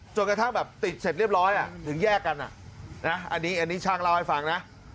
จนกระทั่งแบบติดเสร็จเรียบร้อยถึงแยกกันอันนี้ช่างเล่าให้ฟังนะ